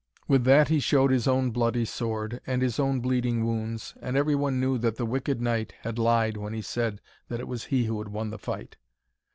With that he showed his own bloody sword, and his own bleeding wounds, and every one knew that the wicked knight had lied when he said that it was he who had won the fight.